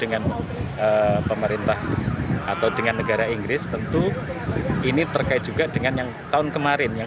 dengan pemerintah atau dengan negara inggris tentu ini terkait juga dengan yang tahun kemarin yang